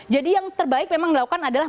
jadi yang terbaik memang melakukan adalah